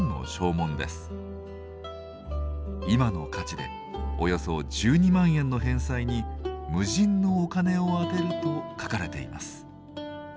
今の価値でおよそ１２万円の返済に無尽のお金を充てると書かれています。